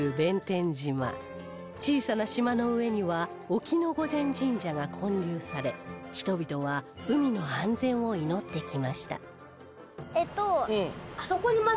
小さな島の上には沖御前神社が建立され人々は海の安全を祈ってきました